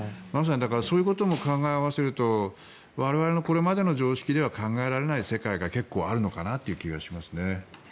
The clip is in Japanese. そういうことも考え合わせると我々のこれまでの常識では考えられない世界が結構あるのかなという気がしますね。